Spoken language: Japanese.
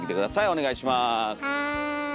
お願いします。